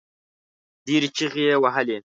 ډېرې چيغې يې وهلې.